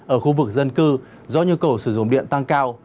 ở khu vực dân cư do nhu cầu sử dụng điện tăng cao